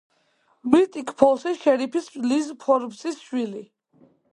მისტიკ-ფოლსის შერიფის, ლიზ ფორბსის შვილი.